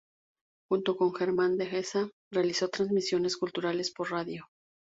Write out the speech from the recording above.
Junto con Germán Dehesa realizó transmisiones culturales por radio.